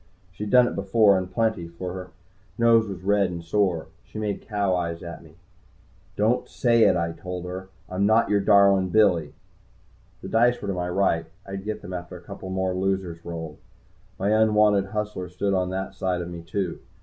She'd done it before, and plenty, for her nose was red and sore. She made cow eyes at me. "Don't say it," I told her. "I'm not your darlin' Billy." The dice were to my right I'd get them after a couple more losers rolled. My unwanted hustler stood on that side of me, too.